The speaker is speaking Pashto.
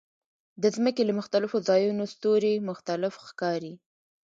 د ځمکې له مختلفو ځایونو ستوري مختلف ښکاري.